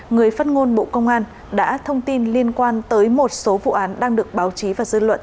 người phát ngôn bộ công an đã thông tin liên quan tới một số vụ án đang được báo chí và dư luận